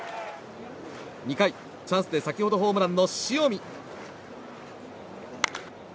２回、チャンスで先ほどホームランの塩見。